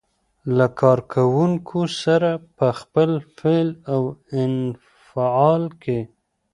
له کار کوونکو سره په خپل فعل او انفعال کې.